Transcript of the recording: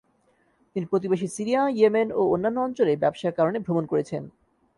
তিনি প্রতিবেশী Syria, Yemen ও অন্যান্য অঞ্চলে ব্যবসার কারণে ভ্রমণ করেছেন।